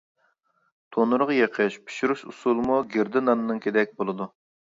تونۇرغا يېقىش، پىشۇرۇش ئۇسۇلىمۇ گىردە ناننىڭكىدەك بولىدۇ.